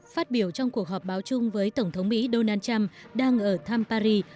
phát biểu trong cuộc họp báo chung với tổng thống mỹ donald trump đang ở thăm paris